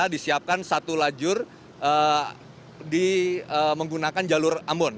disiapkan satu lajur menggunakan jalur ambon